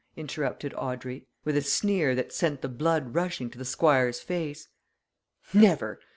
interrupted Audrey, with a sneer that sent the blood rushing to the Squire's face. "Never!